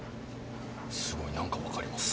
すごい何か分かります。